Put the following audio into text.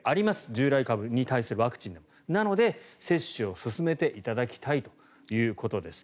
従来株に対するワクチンなので接種を進めていただきたいということです。